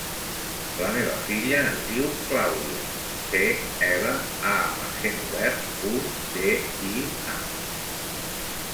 La meva filla es diu Clàudia: ce, ela, a amb accent obert, u, de, i, a.